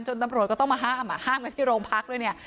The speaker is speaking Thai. จนตำรวจก็ต้องมาห้ามห้ามกันที่โรงพักดิ์ด้วย